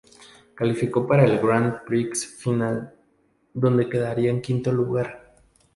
Calificó para el Grand Prix Final, donde quedaría en quinto lugar.